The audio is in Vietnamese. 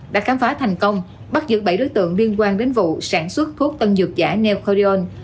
đã khám phá thành công bắt giữ bảy đối tượng liên quan đến vụ sản xuất thuốc tân dược giả neoon